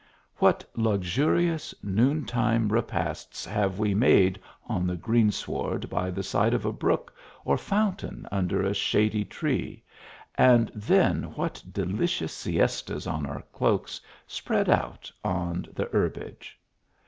What luxurious noontide repasts have we made on the green sward by the side of a brook or fountain under a shady tree, and then what delicious siestas on our cloaks spread out on the herbage